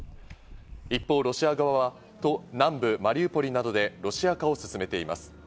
一方、ロシア側は南部マリウポリなどでロシア化を進めています。